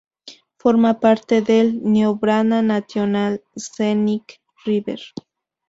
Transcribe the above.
Forma parte del "Niobrara National Scenic River".